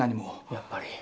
やっぱり。